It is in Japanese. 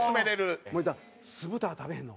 森田酢豚は食べへんの？